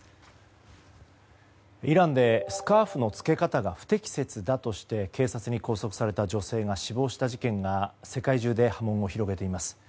イランでスカーフの着け方が不適切だとして警察に拘束された女性が死亡した事件が世界中で波紋を広げています。